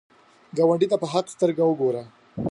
ګاونډي ته په حق سترګو وګوره